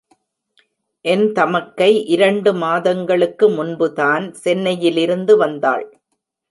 என் தமக்கை இரண்டு மாதங்களுக்கு முன்புதான் சென்னையிலிருந்து வந்தாள்.